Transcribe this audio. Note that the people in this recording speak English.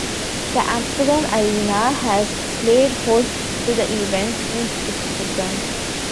The Amsterdam Arena has played host to the event since its return.